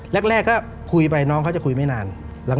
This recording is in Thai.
แรกก็คุยไปน้องเขาจะคุยไม่นาน